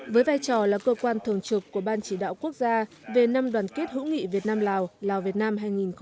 với vai trò là cơ quan thường trực của ban chỉ đạo quốc gia về năm đoàn kết hữu nghị việt nam lào lào việt nam hai nghìn một mươi tám